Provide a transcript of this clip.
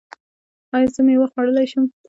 ایا زه میوه خوړلی شم؟